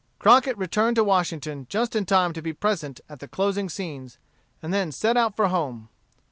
Crockett returned to Washington just in time to be present at the closing scenes, and then set out for home.